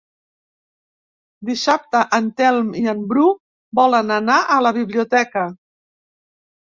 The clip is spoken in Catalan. Dissabte en Telm i en Bru volen anar a la biblioteca.